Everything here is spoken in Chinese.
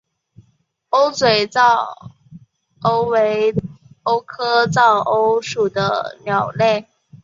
鸥嘴噪鸥为鸥科噪鸥属的鸟类。